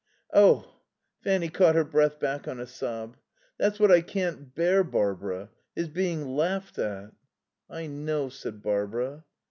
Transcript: "Oh!" Fanny caught her breath back on a sob. "That's what I can't bear, Barbara his being laughed at." "I know," said Barbara.